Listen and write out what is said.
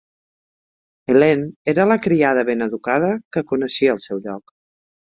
Helene era la criada ben educada que coneixia el seu lloc.